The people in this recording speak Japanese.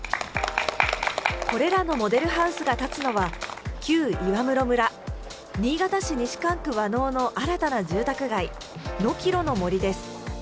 これらのモデルハウスが建つのは、旧岩室村、新潟市西蒲区和納の新たな住宅街、野きろの杜です。